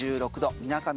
みなかみ